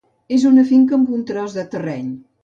És una finca amb un bon tros de terreny.